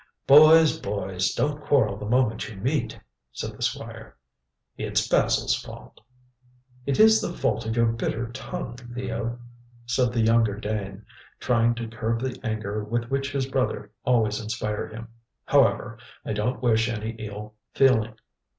"Boys! boys! Don't quarrel the moment you meet," said the Squire. "It's Basil's fault." "It is the fault of your bitter tongue, Theo," said the younger Dane, trying to curb the anger with which his brother always inspired him. "However, I don't wish any ill feeling.